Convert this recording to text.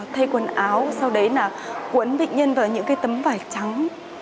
thay quần áo sau đấy là cuốn bệnh nhân vào những cái tấm vải trắng